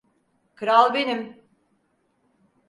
Kral benim!